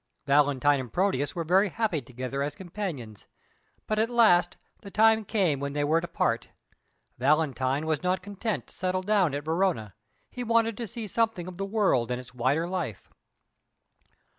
Valentine and Proteus were very happy together as companions, but at last the time came when they were to part. Valentine was not content to settle down at Verona; he wanted to see something of the world and its wider life.